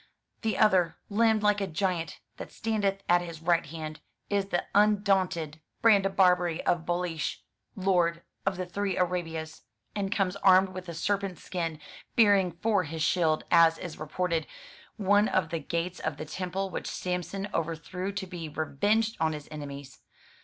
The other, limbed like a giant, that standeth at his right hand, is the undaunted Brandabarbaray of Boliche, lord of the three Arabias, 97 MY BOOK HOUSE and comes armed with a serpent's skin, bearing for his shield, as is reported, one of the gates of the temple which Samson over threw to be revenged on his enemies.